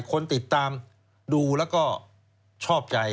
คนติดตามดูแล้วก็ชอบใจ